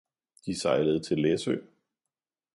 De sejlede til Læsø